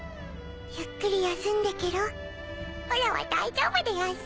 ゆっくり休んでけろおらは大丈夫でやんす